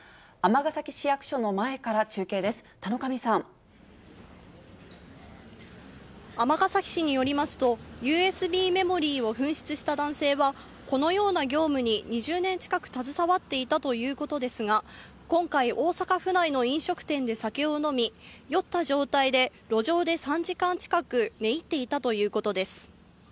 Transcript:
尼崎市役所の前から中継です、尼崎市によりますと、ＵＳＢメモリーを紛失した男性は、このような業務に２０年近く携わっていたということですが、今回、大阪府内の飲食店で酒を飲み、酔った状態で路上で３時間近く、寝入っていたということです。